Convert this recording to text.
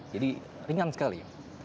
jadi ringan sekali